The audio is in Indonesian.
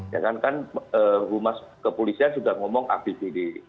ya kan rumah kepolisian sudah ngomong abis ini